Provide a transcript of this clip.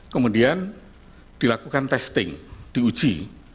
kemudian dilakukan testing diuji